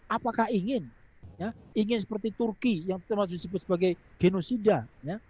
apakah ingin ya ingin seperti turki yang termasuk disebut sebagai genosida ya